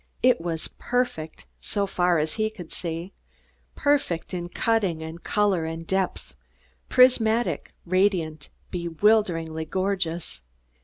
It was perfect, so far as he could see; perfect in cutting and color and depth, prismatic, radiant, bewilderingly gorgeous.